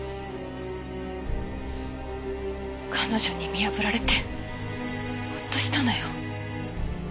彼女に見破られてホッとしたのよ。